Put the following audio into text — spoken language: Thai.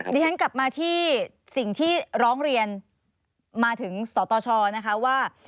ดิฉันกลับมาที่สิ่งที่ร้องเรียนมาถึงสตชนะคะว่า